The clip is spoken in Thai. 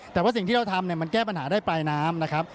แต่ว่าสิ่งที่เราทำมันแก้ปัญหาได้ปลายน้ำ